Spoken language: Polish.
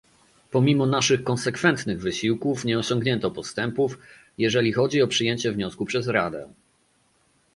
Pomimo naszych konsekwentnych wysiłków, nie osiągnięto postępów, jeżeli chodzi o przyjęcie wniosku przez Radę